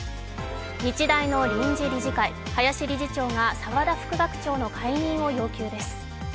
日大の臨時理事会、林理事長が澤田副学長の解任を要求です。